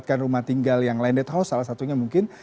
mendapatkan rumah tinggal yang landed house salah satunya mungkin